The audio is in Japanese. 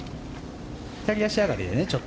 左足上がりで。